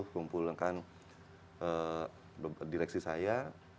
kumpulkan direksi saya